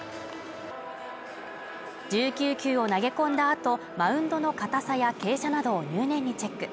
１９球を投げ込んだ後、マウンドの硬さや傾斜などを入念にチェック。